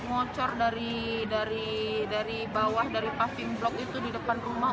mocor dari bawah dari paving blok itu di depan rumah